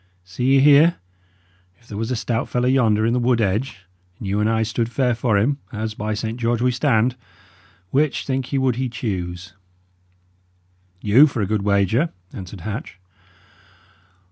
See ye here: if there was a stout fellow yonder in the wood edge, and you and I stood fair for him as, by Saint George, we stand! which, think ye, would he choose?" "You, for a good wager," answered Hatch.